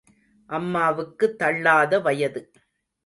அம்மாவுக்கு தள்ளாத வயது.